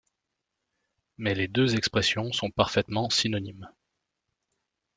Mais les deux expressions sont parfaitement synonymes.